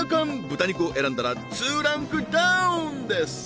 豚肉を選んだら２ランクダウンです